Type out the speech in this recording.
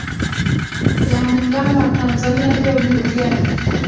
ya muungano wa tanzania job ndugai